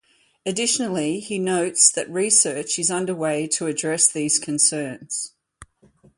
Additionally, he notes that research is underway to address these concerns.